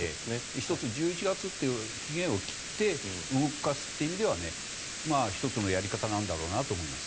１つ、１１月という期限を切って動かすという意味では１つのやり方なんだろうなと思います。